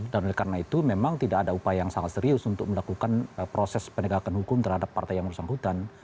dan karena itu memang tidak ada upaya yang sangat serius untuk melakukan proses penegakan hukum terhadap partai yang bersangkutan